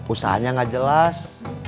usahanya nggak jelas